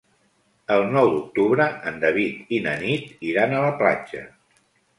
El nou d'octubre en David i na Nit iran a la platja.